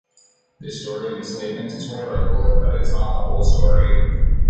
This story of enslavement is horrible, but it is not the whole story.